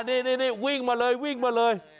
นี่วิ่งมาเลย